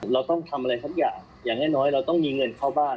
เราต้องทำอะไรสักอย่างอย่างน้อยเราต้องมีเงินเข้าบ้าน